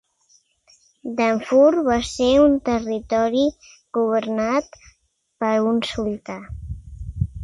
Darfur va ser un territori governat per un sultà.